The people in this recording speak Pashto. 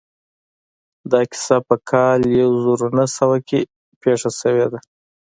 دا کيسه په کال يو زر و نهه سوه کې پېښه شوې ده.